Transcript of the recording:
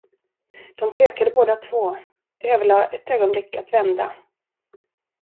De tvekade båda två, överlade ett ögonblick att vända.